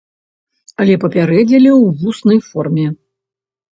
Але папярэдзілі ў вуснай форме.